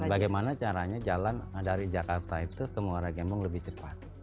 bagaimana caranya jalan dari jakarta itu ke muara gembong lebih cepat